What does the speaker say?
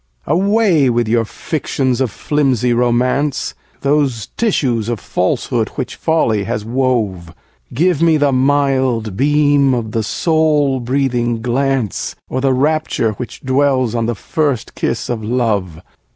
1. Away with your fictions of flimsy romance, Those tissues of falsehood which Folly has wove; Give me the mild beam of the soul breathing glance, Or the rapture which dwells on the first kiss of love.